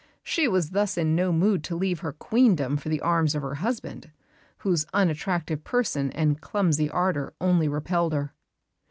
She was thus in no mood to leave her Queendom for the arms of her husband, whose unattractive person and clumsy ardour only repelled her.